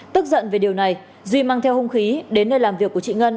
tức giận về điều này duy mang theo hung khí đến nơi làm việc của chị ngân